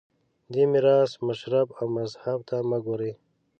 دې میراث مشرب او مذهب ته مه ګورئ